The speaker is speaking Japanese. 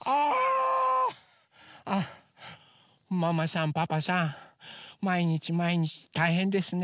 ママさんパパさんまいにちまいにちたいへんですね。